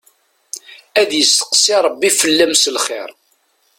Ad yesteqsi Rebbi fell-am s lxir.